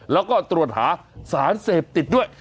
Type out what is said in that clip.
แล้วก็ตรวจหาสารเสพติดด้วย